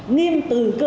nghiêm từ cơ